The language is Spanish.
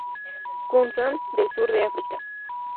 Kung San del Sur de África.